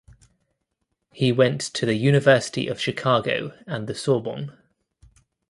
He went to the University of Chicago and the Sorbonne.